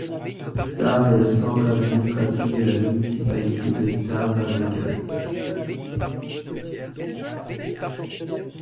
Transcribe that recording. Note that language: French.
Tar est le centre administratif de la municipalité de Tar-Vabriga.